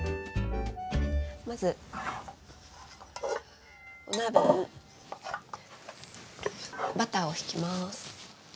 まずお鍋にバターをひきます。